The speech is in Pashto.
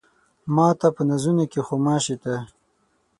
ماته په نازونو کې خو مه شې ته